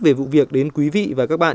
về vụ việc đến quý vị và các bạn